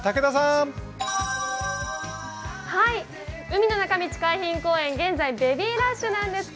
海の中道海浜公園、現在、ベビーラッシュなんです。